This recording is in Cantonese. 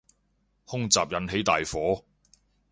空襲引起大火